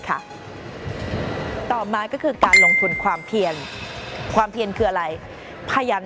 ต่อมาก็คือการลงทุนความเพียรความเพียนคืออะไรพยาน